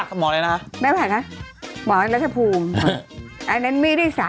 แต่หน้าแข่งเนี้ยอ่ะ